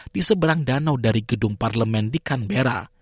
di seberang danau dari gedung parlemen di canberra